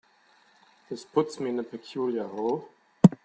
This puts me in a peculiar hole.